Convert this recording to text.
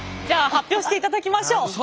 じゃあ発表していただきましょう。